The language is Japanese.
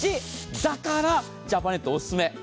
だからジャパネットオススメ。